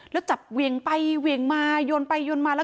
แล้วจับเวียงไปเวียงมายนต์ไปยนต์มา